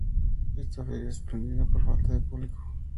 Esta feria fue suspendida por falta de público.